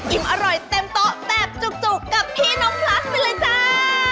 อร่อยเต็มโต๊ะแบบจุกกับพี่น้องพลัสไปเลยจ้า